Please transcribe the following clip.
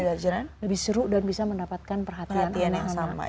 lebih seru dan bisa mendapatkan perhatian anak anak